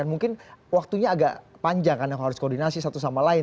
mungkin waktunya agak panjang karena harus koordinasi satu sama lain